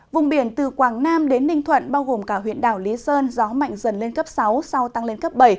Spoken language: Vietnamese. vùng biển từ quảng nam đến ninh thuận bao gồm cả huyện đảo lý sơn gió mạnh dần lên cấp sáu sau tăng lên cấp bảy